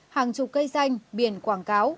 hàng chục cây xanh biển quảng cáo